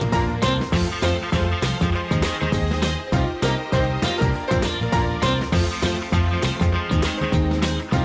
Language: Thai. อาหาร